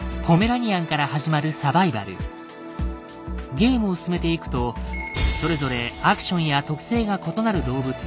ゲームを進めていくとそれぞれアクションや特性が異なる動物